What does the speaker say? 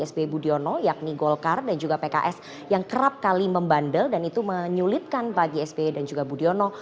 sby budiono yakni golkar dan juga pks yang kerap kali membandel dan itu menyulitkan bagi sby dan juga budiono